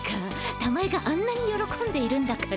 たまえがあんなによろこんでいるんだから。